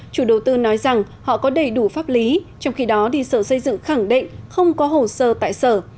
chủ đầu tư nói rằng họ có đầy đủ pháp lý trong khi đó đi sở xây dựng khẳng định không có hồ sơ tại sở